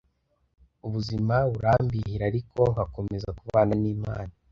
ubuzima burambihira ariko nkakomeza kubana n’Imana